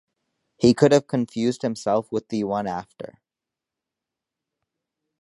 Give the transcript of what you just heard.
He could have confused himself with the one after.